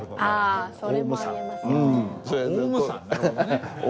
ああそれもありますよね。